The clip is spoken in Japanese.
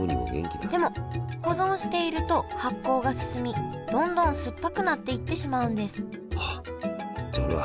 でも保存していると発酵が進みどんどん酸っぱくなっていってしまうんですあっじゃ